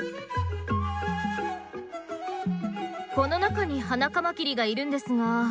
この中にハナカマキリがいるんですが。